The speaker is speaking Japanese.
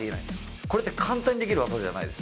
これって簡単にできる技じゃないです。